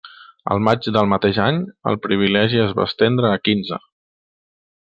El maig del mateix any, el privilegi es va estendre a quinze.